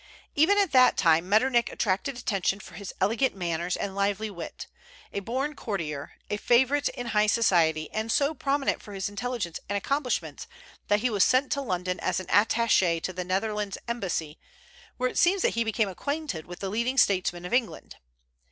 Even at that time Metternich attracted attention for his elegant manners and lively wit, a born courtier, a favorite in high society, and so prominent for his intelligence and accomplishments that he was sent to London as an attaché to the Netherlands embassy, where it seems that he became acquainted with the leading statesmen of England.